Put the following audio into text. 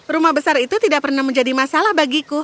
rumah besar itu tidak pernah menjadi masalah bagiku